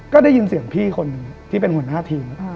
ก็ได้ยินเสียงพี่คนหนึ่งที่เป็นหัวหน้าทีม